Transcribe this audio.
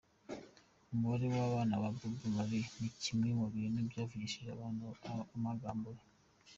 Umubare w’abana ba Bob Marley ni kimwe mu bintu byavugishije abantu amangambure.